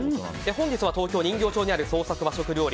本日は東京・人形町にある創作料理